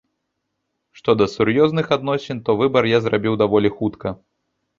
Што да сур'ёзных адносін, то выбар я зрабіў даволі хутка.